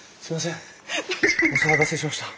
お騒がせしました。